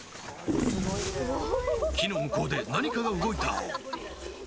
木の向こうで何かが動いた。